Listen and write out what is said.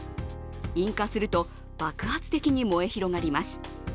引火すると爆発的に燃え広がります。